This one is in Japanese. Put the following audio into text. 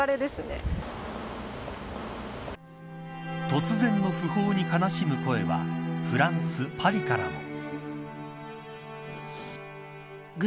突然の訃報に悲しむ声はフランス、パリからも。